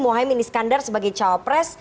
mohaimin iskandar sebagai cawapres